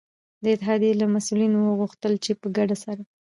د اتحادیو له مسؤلینو وغوښتل چي په ګډه سره